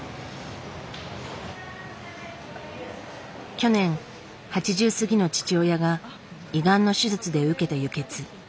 去年８０過ぎの父親が胃がんの手術で受けた輸血。